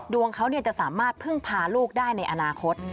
ดวงเขาจะสามารถพึ่งพาลูกได้ในอนาคต